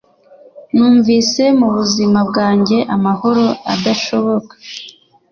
Numvise mubuzima bwanjye amahoro adashoboka